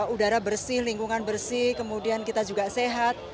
udara bersih lingkungan bersih kemudian kita juga sehat